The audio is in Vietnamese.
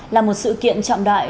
là một sự kiện trọng đại